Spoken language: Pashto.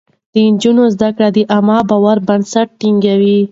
د نجونو زده کړه د عامه باور بنسټ ټينګوي.